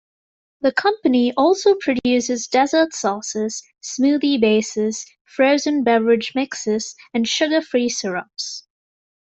The company also produces dessert sauces, smoothie bases, frozen beverage mixes, and sugar-free syrups.